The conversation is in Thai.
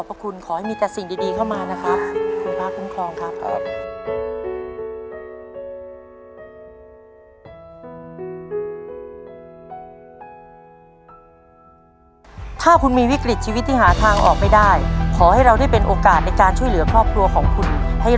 รู้ว่าทุกวันนี้เขาเหนื่อย